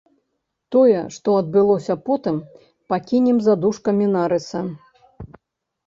Тое, што адбылося потым, пакінем за дужкамі нарыса.